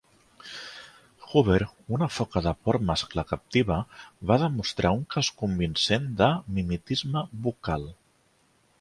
"Hoover", una foca de port mascle captiva va demostrar un cas convincent de mimetisme vocal.